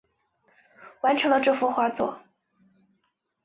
完成了这幅画作